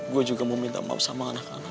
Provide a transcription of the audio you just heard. gue juga mau minta maaf sama anak anak